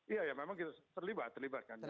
iya memang terlibat